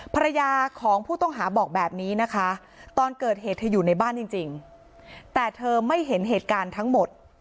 ภรรยาของผู้ต้องหาบอกแบบนี้นะคะตอนเกิดเหตุเธออยู่ในบ้านจริงแต่เธอไม่เห็นเหตุการณ์ทั้งหมด